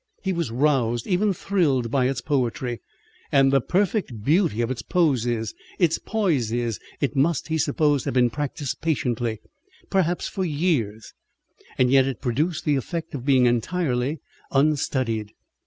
He was roused, even thrilled by its poetry, and the perfect beauty of its poses, its poises. It must, he supposed, have been practised patiently, perhaps for years, yet it produced the effect of being entirely unstudied.